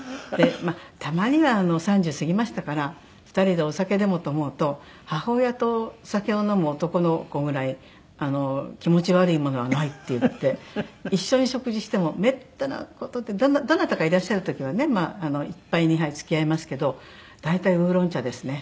たまには３０過ぎましたから２人でお酒でもと思うと「母親と酒を飲む男の子ぐらい気持ち悪いものはない」って言って一緒に食事してもめったな事でどなたかいらっしゃる時はね１杯２杯付き合いますけど大体ウーロン茶ですね。